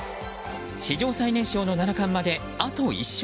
史上最年少の七冠まで、あと１勝。